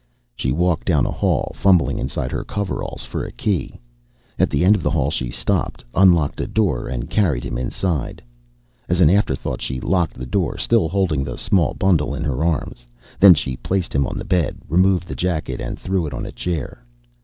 She walked down a hall, fumbling inside her coveralls for a key. At the end of the hall she stopped, unlocked a door, and carried him inside. As an afterthought she locked the door, still holding the small bundle in her arms. Then she placed him on a bed, removed the jacket and threw it on a chair.